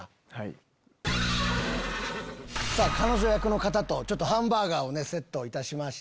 彼女役の方とハンバーガーをセットいたしました。